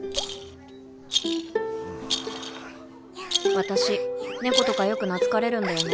私猫とかよく懐かれるんだよね。